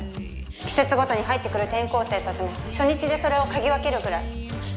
季節ごとに入ってくる転校生たちも初日でそれを嗅ぎ分けるくらい。